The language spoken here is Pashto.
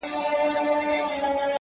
د توري ټپ به جوړسي، د ژبي ټپ نه جوړېږي.